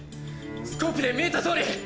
スコープで見えたとおり！